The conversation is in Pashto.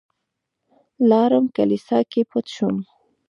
لاړم کليسا کې پټ شوم.